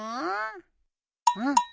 うん？